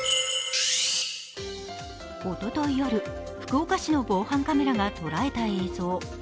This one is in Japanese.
おととい夜、福岡市の防犯カメラが捉えた映像。